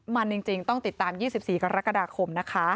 มันจริงต้องติดตาม๒๔กรกฎาคมนะคะ